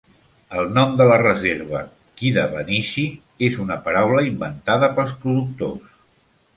El nom de la reserva, "Kidabaneesee", és una paraula inventada pels productors.